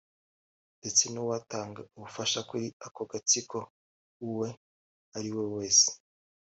ndetse n’uwatanga ubufasha kuri ako gatsiko uwe ariwe wese